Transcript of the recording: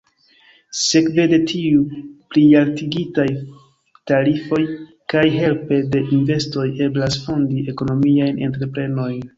Sekve de tiuj plialtigitaj tarifoj kaj helpe de investoj eblas fondi ekonomiajn entreprenojn.